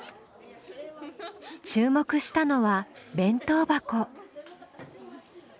注目したのは弁当箱。